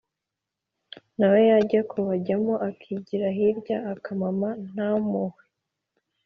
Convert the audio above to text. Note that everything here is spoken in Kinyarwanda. nawe yajya kubajyamo akigira hirya akamama ntamhuhwe,